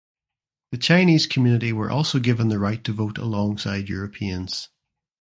The Chinese community were also given the right to vote alongside Europeans.